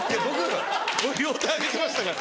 両手挙げてましたから。